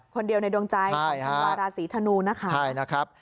คนเดียวในดวงใจของธันวาราศีธนูนะคะใช่นะครับ